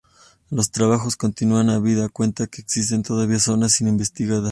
Los trabajos continúan, habida cuenta que existen todavía zonas no investigadas.